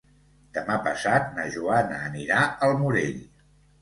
Demà passat na Joana anirà al Morell.